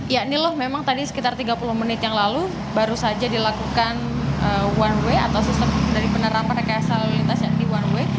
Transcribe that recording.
ya ini loh memang tadi sekitar tiga puluh menit yang lalu baru saja dilakukan one way atau sistem dari penerapan rekayasa lalu lintas yang di one way